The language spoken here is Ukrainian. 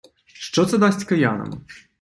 Що це дасть киянам?